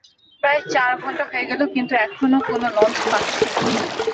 প্রায় চার ঘণ্টা হয়ে গেল কিন্তু এখনো কোনো লঞ্চ পাচ্ছি না।